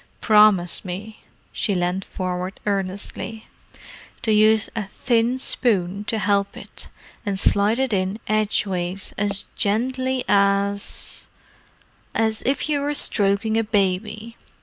Promise me"—she leaned forward earnestly—"to use a thin spoon to help it, and slide it in edgeways as gently as—as if you were stroking a baby!